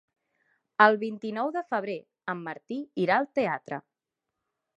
El vint-i-nou de febrer en Martí irà al teatre.